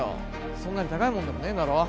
そんなに高いもんでもねえんだろ。